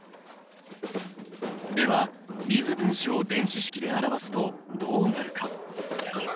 では水分子を電子式で表すとどうなるか？